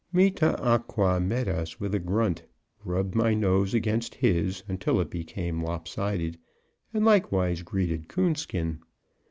Me tah ah qua met us with a grunt, rubbed my nose against his until it became lopsided, and likewise greeted Coonskin.